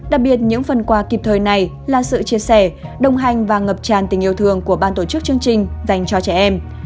đặc biệt những phần quà kịp thời này là sự chia sẻ đồng hành và ngập tràn tình yêu thương của ban tổ chức chương trình dành cho trẻ em